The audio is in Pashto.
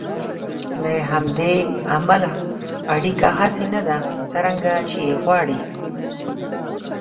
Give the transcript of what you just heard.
له همدې امله اړیکه هغسې نه ده څرنګه چې یې غواړئ.